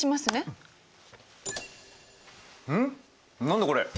何だこれ？